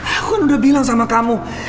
aku kan udah bilang sama kamu